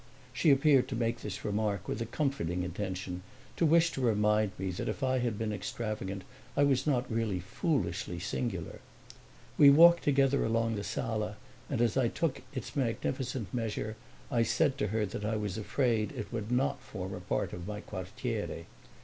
She appeared to make this remark with a comforting intention, to wish to remind me that if I had been extravagant I was not really foolishly singular. We walked together along the sala, and as I took its magnificent measure I said to her that I was afraid it would not form a part of my quartiere.